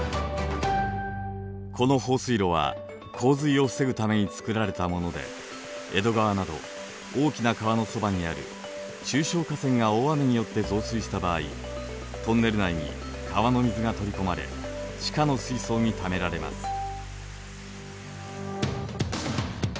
この放水路は洪水を防ぐためにつくられたもので江戸川など大きな川のそばにある中小河川が大雨によって増水した場合トンネル内に川の水が取り込まれ地下の水槽にためられます。